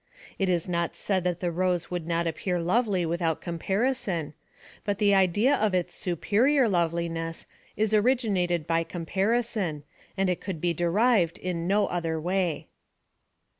It is not said that the rose would not appear lovely without comparison, tut the idea of its superior loveliness is originated by comparison, and it could be derived in no other way.